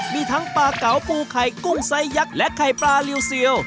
มีทั้งปลาเก๋าปูไข่กุ้งไซสยักษ์และไข่ปลาริวเซียว